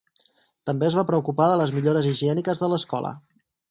També es va preocupar de les millores higièniques de l'Escola.